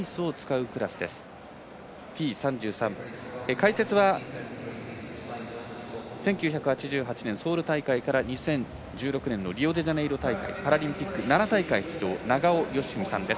解説は１９８８年、ソウル大会から２０１６年のリオデジャネイロ大会パラリンピック７大会出場永尾さんです。